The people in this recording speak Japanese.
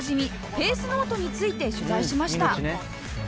ペースノートについて取材しました